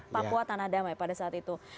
papua tanah damai pada saat itu